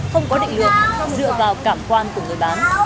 không có định lượng dựa vào cảm quan của người bán